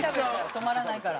止まらないから。